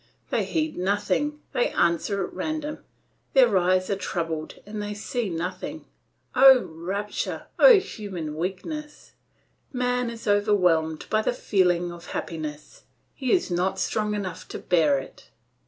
They heed nothing, they answer at random; their eyes are troubled and they see nothing. Oh, rapture! Oh, human weakness! Man is overwhelmed by the feeling of happiness, he is not strong enough to bear it.